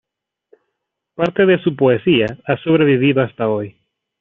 Parte de su poesía ha sobrevivido hasta hoy.